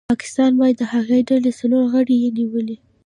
پاکستان وايي د هغې ډلې څلور غړي یې نیولي